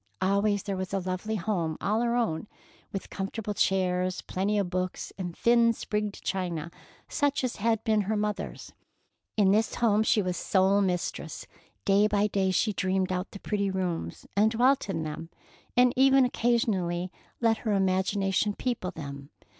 Always there was a lovely home all her own, with comfortable chairs and plenty of books, and thin, sprigged china, such as had been her mother's. In this home she was sole mistress. Day by day she dreamed out the pretty rooms, and dwelt in them, and even occasionally let her imagination people them.